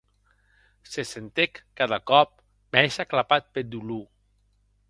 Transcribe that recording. Se sentec cada còp mès aclapat peth dolor.